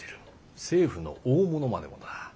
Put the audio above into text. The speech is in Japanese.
政府の大物までもな。